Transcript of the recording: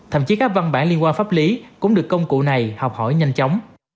thậm chí các văn bản liên quan pháp lý cũng được công cụ này học hỏi nhanh chóng